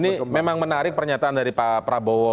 ini memang menarik pernyataan dari pak prabowo